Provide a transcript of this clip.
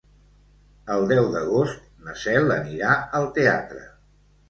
El deu d'agost na Cel anirà al teatre.